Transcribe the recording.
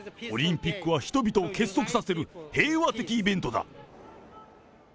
オリンピックは人々を結束させる平和的イベントだ。